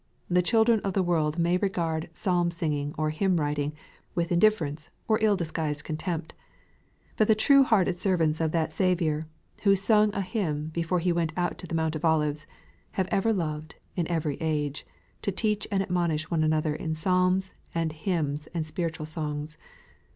The children of the world miay regard psalm singing, or hymn writing, with in difference, or ill disguised contempt. But the true hearted servants of that Saviour, who " sung a hymn" before He went out to the Mount of Olives, have ever loved, in every age, to " teach and ad monish one another in psalms, and hymns, and spiritual songs."